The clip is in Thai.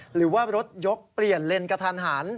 หรือว่ารถยกเปลี่ยนเลนกระทันหัน